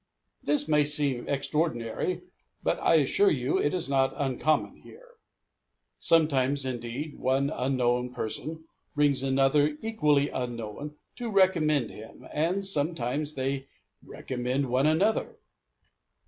This may seem extraordinary, but I assure you it is not uncommon here. Sometimes, indeed, one unknown person brings another equally unknown, to recommend him; and sometimes they recommend one another!